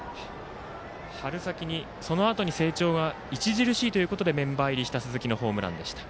春先、そのあとに成長が著しいということでメンバー入りした鈴木のホームラン。